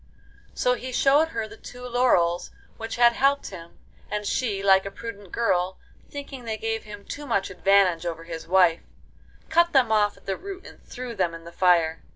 So he showed her the two laurels which had helped him, and she, like a prudent girl, thinking they gave him too much advantage over his wife, cut them off at the root and threw them in the fire.